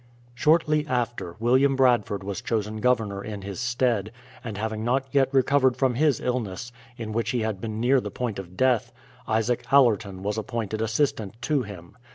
Shortly after, William Bradford was chosen governor in his stead, and having not yet recovered from his illness, in which he had been near the point of death, Isaac Allerton, was appointed assistant to him.